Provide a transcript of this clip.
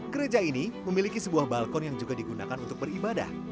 gereja ini memiliki sebuah balkon yang juga digunakan untuk beribadah